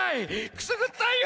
くすぐったいよ！